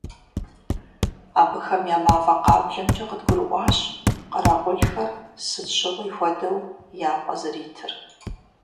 Абыхэм я мафӀэ къаблэмкӀэ къыдгурыӀуащ къэрэгъулхэр, сыт щыгъуи хуэдэу, я пӀэ зэритыр.